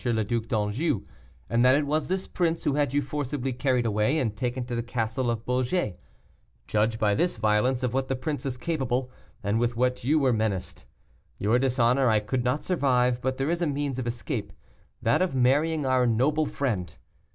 le Duc d'Anjou, and that it was this prince who had you forcibly carried away and taken to the castle of Beaugé; judge by this violence of what the prince is capable, and with what you were menaced. Your dishonor I could not survive; but there is a means of escape that of marrying our noble friend.